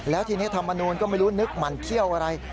แล้วทีนี้ธรรมนูลก็ไม่รู้นึกหมั่นเขี้ยวอะไร